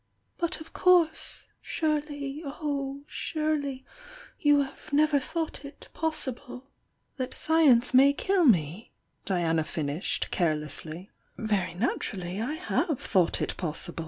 But of course! Surely oh suTSv 3,' have never thought it possible "'^'^°" lesslv 4^:1"'^ may kill mo?" Diana finished, care J^ly. Very naturally I have thought it oo^We!